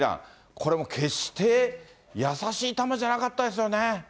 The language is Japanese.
これも決して易しい球じゃなかったですよね。